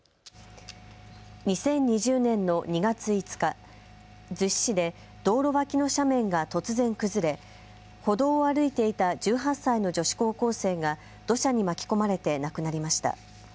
２０２０年の２月５日、逗子市で道路脇の斜面が突然崩れ歩道を歩いていた１８歳の女子高校生が土砂に巻き込まれて亡くなりました。